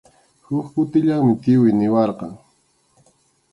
Huk kutillanmi tiyuy niwarqan.